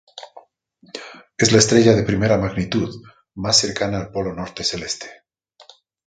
Es la estrella de primera magnitud más cercana al Polo Norte Celeste.